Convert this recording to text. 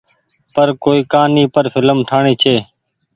پر ڪوئي ڪهآني پر ڦلم ٺآڻي ڇي۔